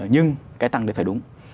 nhưng cái tăng đấy phải đúng